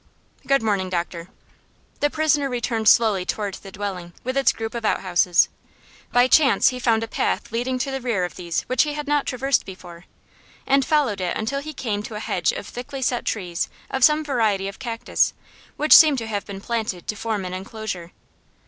"Good morning, doctor." The prisoner returned slowly toward the dwelling, with its group of outhouses. By chance he found a path leading to the rear of these which he had not traversed before, and followed it until he came to a hedge of thickly set trees of some variety of cactus, which seemed to have been planted to form an enclosure.